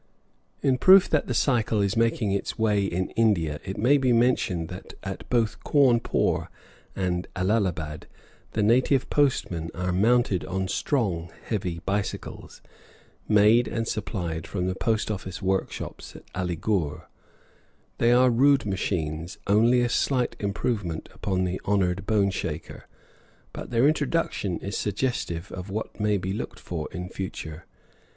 In proof that the cycle is making its way in India it may be mentioned that at both Cawnpore and Allahabad the native postmen are mounted on strong, heavy bicycles, made and supplied from the post office workshops at Allighur. They are rude machines, only a slight improvement upon the honored boneshaker; but their introduction is suggestive of what may be looked for in the future.